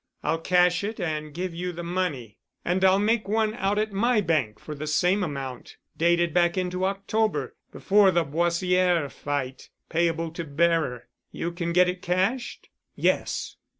I'll cash it and give you the money. And I'll make one out at my bank for the same amount, dated back into October, before the Boissière fight, payable to bearer. You can get it cashed?" "Yes."